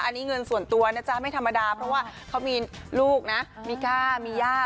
อันนี้เงินส่วนตัวนะจ๊ะไม่ธรรมดาเพราะว่าเขามีลูกนะมีก้ามีย่า